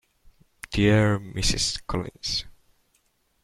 Dear Ms Collins.